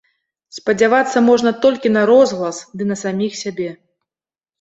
Спадзявацца можна толькі на розгалас, ды на саміх сябе.